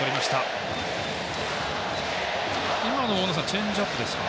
チェンジアップですか。